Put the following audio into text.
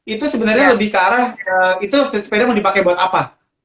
itu sebenarnya lebih ke arah itu sepeda mau dipakai buat apa